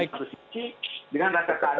di satu sisi dengan rakyat yang berpengaruh